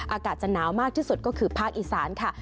อากาศจะหนาวมากที่สุดก็คือภาคอีสานค่ะ